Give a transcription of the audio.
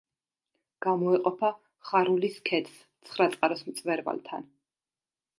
გამოეყოფა ხარულის ქედს ცხრაწყაროს მწვერვალთან.